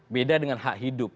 beda dengan hak hidup